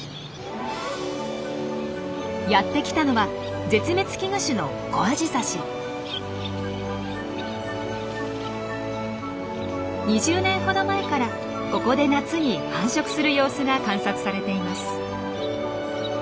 やって来たのは２０年ほど前からここで夏に繁殖する様子が観察されています。